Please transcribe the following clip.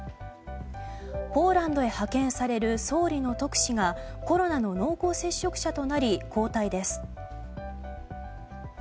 ポーランドへ派遣される総理の特使がコロナの濃厚接触者となり交代です。